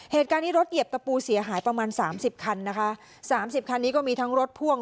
เหตุการณ์นี้รถเหยียบตะปูเสียหายประมาณสามสิบคันนะคะสามสิบคันนี้ก็มีทั้งรถพ่วง